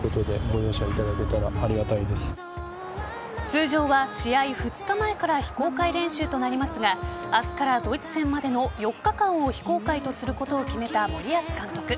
通常は試合２日前から非公開練習となりますが明日からドイツ戦までの４日間を非公開とすることを決めた森保監督。